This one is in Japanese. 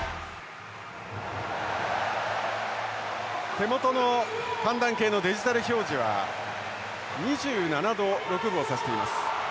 手元の寒暖計のデジタル表示は２７度６分を指しています。